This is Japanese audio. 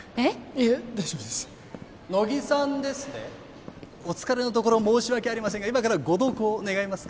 いえ大丈夫です乃木さんですねお疲れのところ申し訳ありませんが今からご同行願えますか？